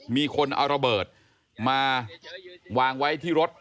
มีคนเอาระเบิดมาวางไว้ที่รถ